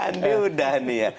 andiudah nih ya